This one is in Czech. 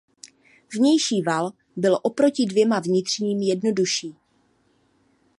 Vnější val byl oproti dvěma vnitřním jednodušší.